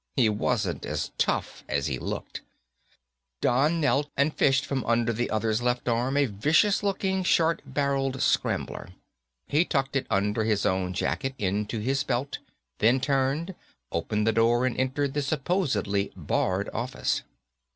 He wasn't as tough as he looked. Don knelt and fished from under the other's left arm a vicious looking short barrelled scrambler. He tucked it under his own jacket into his belt, then turned, opened the door and entered the supposedly barred office.